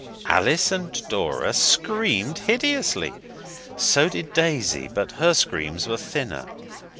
Alice and Dora screamed hideously. So did Daisy, but her screams were thinner.